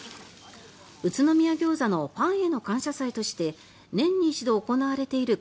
宇都宮餃子のファンへの感謝祭として年に一度行われている